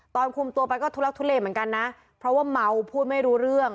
คุมตัวไปก็ทุลักทุเลเหมือนกันนะเพราะว่าเมาพูดไม่รู้เรื่อง